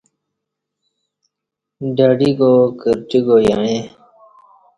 ڈہ ڈی گا کرٹی گا یعیں